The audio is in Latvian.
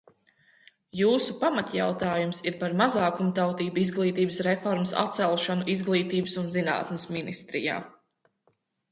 Jūsu pamatjautājums ir par mazākumtautību izglītības reformas atcelšanu Izglītības un zinātnes ministrijā.